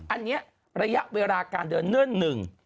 อันนี้ระยะเวลาการเดินเนื่องหนึ่ง